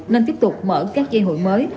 nên tiếp tục mở các dây hội mới